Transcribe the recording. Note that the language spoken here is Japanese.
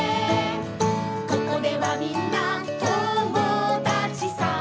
「ここではみんな友だちさ」